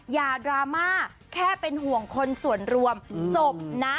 อย่าดราม่าแค่เป็นห่วงคนส่วนรวมจบนะ